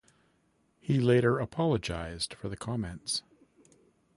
He later apologized for the comments.